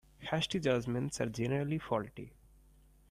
Hasty judgements are generally faulty.